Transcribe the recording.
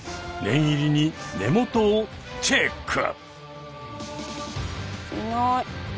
念入りに根元をチェック！